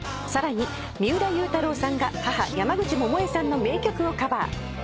さらに三浦祐太朗さんが母山口百恵さんの名曲をカバー。